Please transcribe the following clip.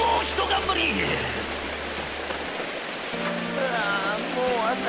ふあもうあさか。